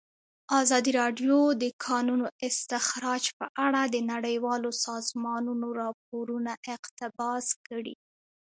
ازادي راډیو د د کانونو استخراج په اړه د نړیوالو سازمانونو راپورونه اقتباس کړي.